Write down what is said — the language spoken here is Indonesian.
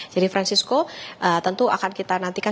jadi francisco tentu akan kita nantikan